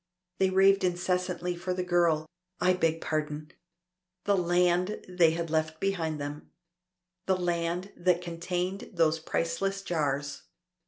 They raved incessantly for the girl I beg pardon the land they had left behind them. The land that contained those priceless jars."